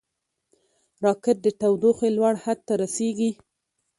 راکټ د تودوخې لوړ حد ته رسېږي